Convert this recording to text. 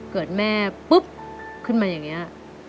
เกิดแม่ปุ๊บขึ้นมาอย่างนี้